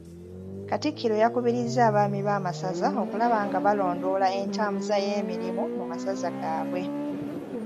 Katikkiro yakubirizza Abaami b'amasaza okulaba nga balondoola entambuza y’emirimu mu masaza gaabwe.